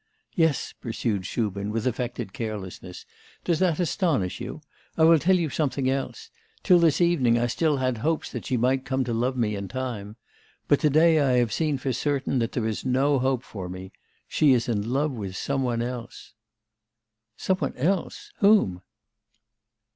'Yes,' pursued Shubin with affected carelessness. 'Does that astonish you? I will tell you something else. Till this evening I still had hopes that she might come to love me in time. But to day I have seen for certain that there is no hope for me. She is in love with some one else.' 'Some one else? Whom?